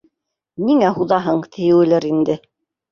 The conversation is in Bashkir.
Ниңә һуҙаһың, тиеүелер инде